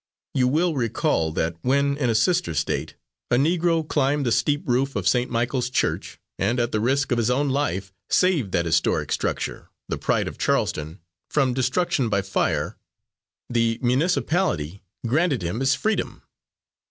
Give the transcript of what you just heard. You will recall that when, in a sister State, a Negro climbed the steep roof of St. Michael's church and at the risk of his own life saved that historic structure, the pride of Charleston, from destruction by fire, the muncipality granted him his freedom."